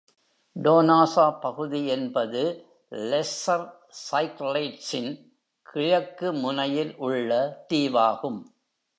Donousa பகுதி என்பது lesser சைக்லேட்ஸின் கிழக்கு முனையில் உள்ள தீவாகும்.